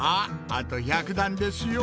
あと１００段ですよ